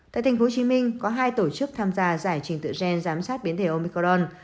tại tp hcm có hai tổ chức tham gia giải trình tựa gen giám sát biến thể omicron